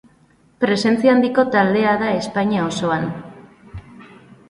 Presentzia handiko taldea da Espainia osoan.